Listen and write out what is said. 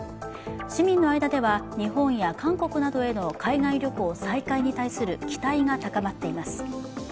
市民の間では日本や韓国などへの海外旅行再開に対する期待が高まっています。